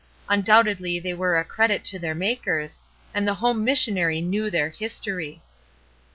Undoubtedly they J were a credit to their makers, and the home missionary knew their history.